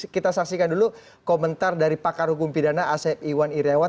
kita saksikan dulu komentar dari pakar hukum pidana asep iwan iryawan